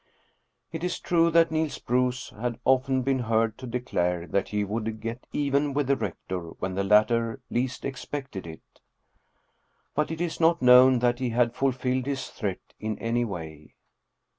It is true that Niels Bruus had often been heard to declare that he would " get even with the rector when the latter least expected it." But it is not known that he had fulfilled his threat in any way.